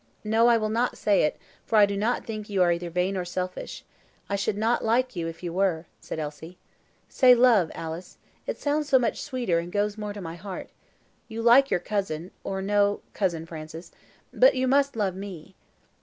No, I will not say it, for I do not think you are either vain or selfish. I should not like you if you were," said Elsie. "Say LOVE, Alice, it sounds much sweeter, and goes more to my heart. You like your cousin, or no cousin Francis, but you must LOVE me."